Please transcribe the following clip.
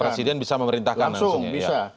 presiden bisa memerintahkan langsung ya